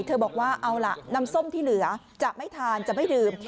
บอกว่าเอาล่ะน้ำส้มที่เหลือจะไม่ทานจะไม่ดื่ม